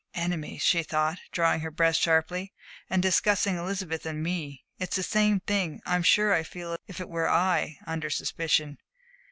"Enemies," she thought, drawing her breath sharply, "and discussing Elizabeth and me! It's the same thing I'm sure I feel as if it were I under suspicion."